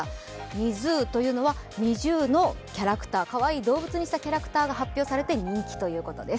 ＮＩＺＯＯというのはＮｉｚｉＵのキャラクター、かわいい動物にしたキャラクターが発表されて人気ということです。